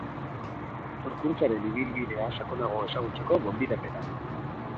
Sorkuntzaren ibilbidea sakonago ezagutzeko gonbidapena.